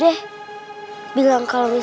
mending aku buati dulu deh